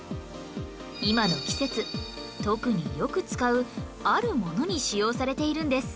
今の季節特によく使うあるものに使用されているんです